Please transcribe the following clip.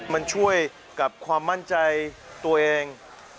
มันช่วยกับความมั่นใจตัวเอง